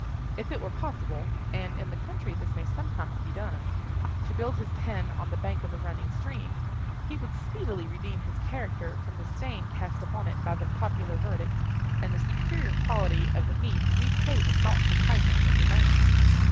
If it were possible—and in the country this may sometimes be done—to build his pen on the bank of a running stream, he would speedily redeem his character from the stain cast upon it by the popular verdict, and the superior quality of the meat repay the thoughtful kindness of his owner.